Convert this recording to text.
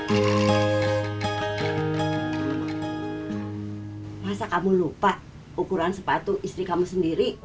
rasa kamu lupa ukuran sepatu istri kamu sendiri